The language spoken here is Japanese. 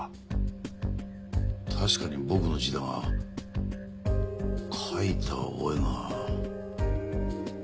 確かに僕の字だが書いた覚えが。